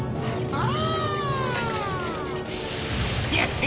ああ！